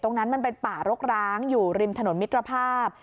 มันเป็นป่ารกร้างอยู่ริมถนนมิตรภาพ